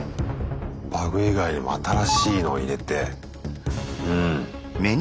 バグ以外にも新しいの入れてうん。